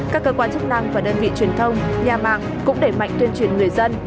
các cơ quan chức năng và đơn vị truyền thông nhà mạng cũng đẩy mạnh tuyên truyền người dân